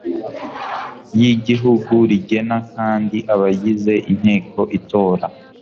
y Igihugu rigena kandi abagize Inteko itora